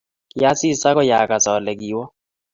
Kiasis agoi agas ale kiwo